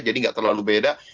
jadi nggak terlalu beda